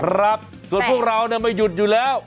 ครับส่วนพวกเราไม่หยุดอยู่แล้ว